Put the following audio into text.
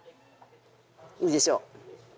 いいでしょう。